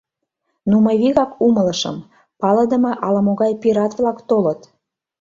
Ну, мый вигак умылышым: палыдыме ала-могай пират-влак толыт.